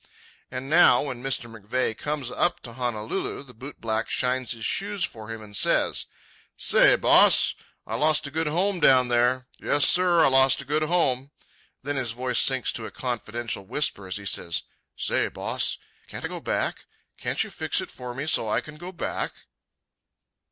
And now, when Mr. McVeigh comes up to Honolulu, the bootblack shines his shoes for him and says: "Say, Boss, I lost a good home down there. Yes, sir, I lost a good home." Then his voice sinks to a confidential whisper as he says, "Say, Boss, can't I go back? Can't you fix it for me so as I can go back?"